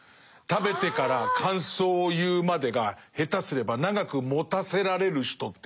食べてから感想を言うまでが下手すれば長くもたせられる人という。